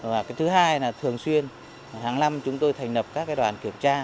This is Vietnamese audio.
và cái thứ hai là thường xuyên hàng năm chúng tôi thành lập các đoàn kiểm tra